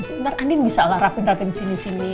sebentar andin bisa lah rapin rapin sini sini